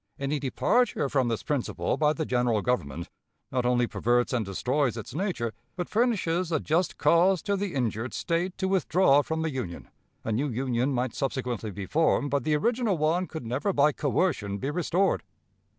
" Any departure from this principle by the General Government not only perverts and destroys its nature, but furnishes a just cause to the injured State to withdraw from the union. A new union might subsequently be formed, but the original one could never by coercion be restored.